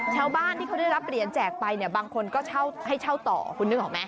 ชาวบ้านที่เขาได้รับเหรียญแจกไปเนี่ยบางคนก็เช่าให้เช่าต่อคุณนึกออกไหม